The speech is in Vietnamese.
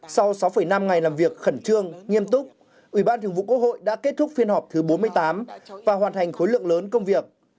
sau sáu năm ngày làm việc khẩn trương nghiêm túc ủy ban thường vụ quốc hội đã kết thúc phiên họp thứ bốn mươi tám và hoàn thành khối lượng lớn công việc